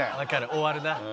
終わるな。